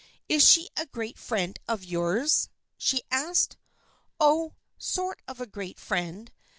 Is she a great friend of yours ?" she asked. " Oh, sort of a great friend.